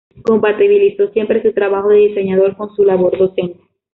Compatibilizó siempre su trabajo de diseñador con su labor docente.